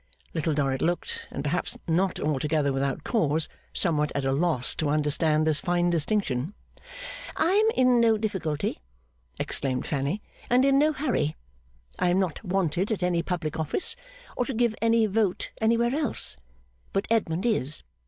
Little Dorrit looked, and perhaps not altogether without cause, somewhat at a loss to understand this fine distinction. 'I am in no difficulty,' exclaimed Fanny, 'and in no hurry. I am not wanted at any public office, or to give any vote anywhere else. But Edmund is.